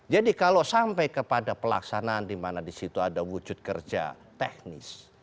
jadi kalau sampai kepada pelaksanaan di mana di situ ada wujud kerja teknis